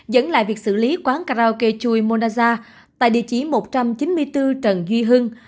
dẫn lại việc xử lý quán karaoke chui monaza tại địa chỉ một trăm chín mươi bốn trần duy hưng